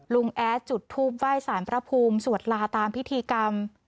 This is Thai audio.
แอดจุดทูปไหว้สารพระภูมิสวดลาตามพิธีกรรม